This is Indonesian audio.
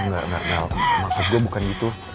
enggak karena maksud gue bukan gitu